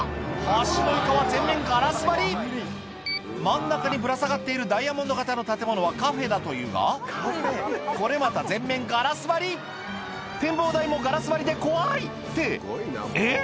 橋の床は全面ガラス張り真ん中にぶら下がっているダイヤモンド形の建物はカフェだというがこれまた全面ガラス張り展望台もガラス張りで怖い！ってえっ？